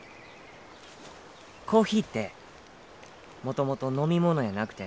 コーヒーって元々飲み物やなくて